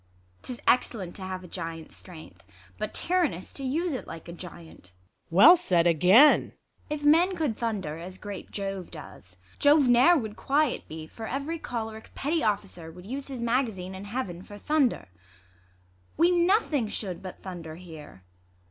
'Tis excellent to have a giant's strength, But tyrannous to use it like a giant, Luc. Well said again .' ISAB. If men could thunder As great Jove does, Jove ne'er would quiet be ; For ev^ery cholerick petty officer Would use his mag azine in heaven for thunder ; We nothing should but thunder hear.